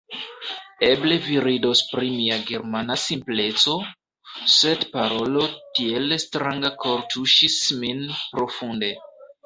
Eble vi ridos pri mia Germana simpleco; sed parolo tiel stranga kortuŝis min profunde.